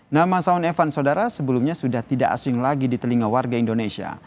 nama sound evan saudara sebelumnya sudah tidak asing lagi di telinga warga indonesia